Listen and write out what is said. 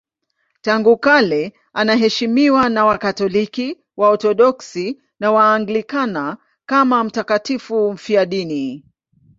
Tangu kale anaheshimiwa na Wakatoliki, Waorthodoksi na Waanglikana kama mtakatifu mfiadini.